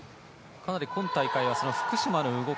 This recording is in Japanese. かなり今大会は福島の動き